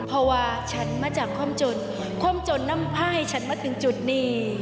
เพราะว่าฉันมาจากความจนความจนนำผ้าให้ฉันมาถึงจุดนี้